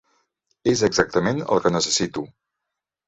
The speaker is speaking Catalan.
És exactament el que necessito!